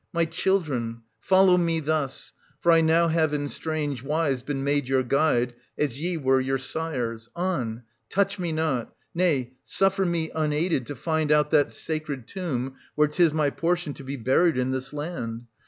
My children, follow me, — thus, — for I now have in strange wise been made your guide, as ye were your sire's. On, — touch me not, — nay, suffer me unaided to find out that sacred tomb where 'tis my portion to be buried in this land.